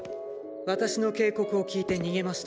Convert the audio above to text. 私の警告を聞いて逃げました。